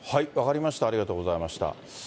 分かりました、ありがとうございました。